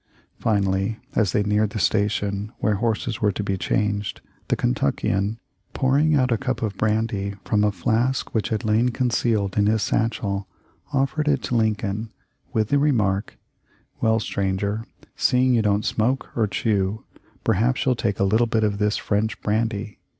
Finally, as they neared the station where horses were to be changed, the Kentuckian, pouring out a cup of brandy from a flask which had THE LIFE OF L1KC0LX. 303 lain concealed in his satchel, offered it to Lincoln with the remark, "Well, stranger, seeing you don't smoke or chew, perhaps you'll take a little of this French brandy.